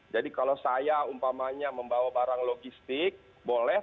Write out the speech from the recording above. jadi kalau saya umpamanya membawa barang logistik boleh